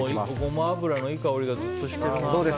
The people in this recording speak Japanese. ゴマ油のいい香りがずっとしてるな。